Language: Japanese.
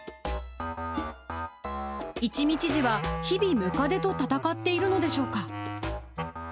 一見知事は、日々ムカデと闘っているのでしょうか。